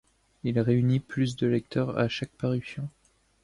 Il réunit plus de lecteurs à chaque parution.